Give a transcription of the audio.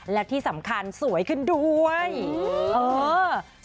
และที่สำคัญสวยขึ้นด้วยโอ้โหโอ้โห